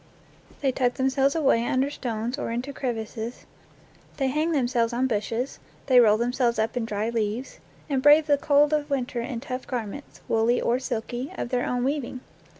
They tuck themselves away under stones or into crevices, they hang themselves on bushes, they roll themselves up in dry leaves, and brave the cold of winter in tough garments, woolly or silky, of their own weaving.